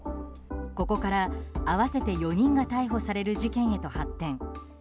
ここから合わせて４人が逮捕される事件へと発展。